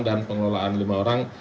dan pengelolaan lima orang